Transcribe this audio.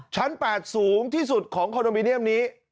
ชั้น๘สูงที่สุดของคอนโดมิเนียมนี้